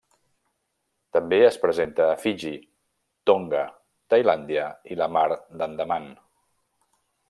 També és present a Fiji, Tonga, Tailàndia i la Mar d'Andaman.